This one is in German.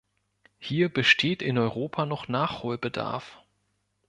Hier besteht in Europa noch Nachholbedarf.